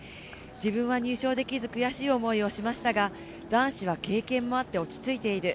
自分は入賞できず悔しい思いをしましたが男子は経験もあって落ち着いている。